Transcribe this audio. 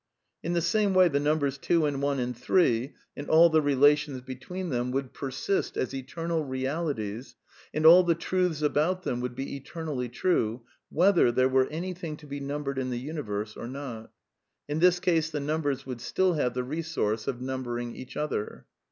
In the same way the numbers two and one and three, and all the 11 THE NEW REALISM 193 relations between them, would persist as eternal realities, and all the truths about them would be eternally true, whether there were any thing to be numbered in the uni verse or not. (In this case the numbers would still have the resource of numbering each other.)